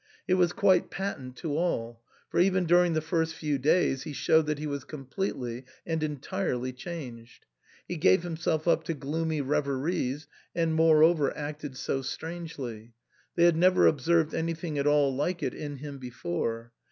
It was quite patent to all ; for even during the first few days he showed that he was completely and entirely changed. He gave himself up to gloomy reveries, and moreover acted so strangely ; they had never observed an3rthing at all like it in him before.